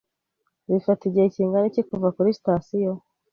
Bifata igihe kingana iki kuva kuri sitasiyo?